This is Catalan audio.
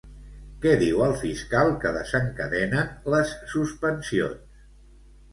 Què diu el fiscal que desencadenen les suspensions?